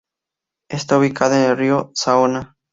Está ubicada en el río Saona.